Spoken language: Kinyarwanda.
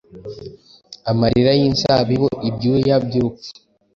Amarira y'inzabibu, ibyuya byurupfu